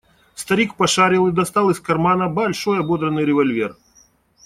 Старик пошарил и достал из кармана большой ободранный револьвер.